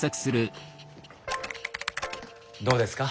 どうですか？